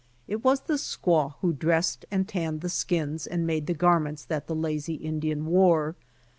It was the squaw who dressed and tanned the skins and made the garments that the lazy Indian wore.